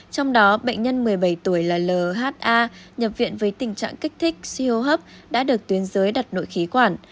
trong đó bệnh nhân một mươi bảy tuổi là lha nhập viện với tình trạng kích thích siêu hấp đã được tuyến dưới đặt nội khí quản